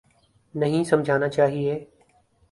نہیں سمجھانا چاہیے۔